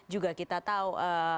juga kita tahu